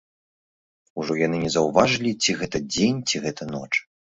Ужо яны не заўважалі, ці гэта дзень, ці гэта ноч.